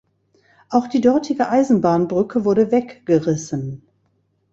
Auch die dortige Eisenbahnbrücke wurde weggerissen.